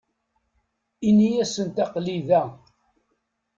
Ini-asent aql-i da.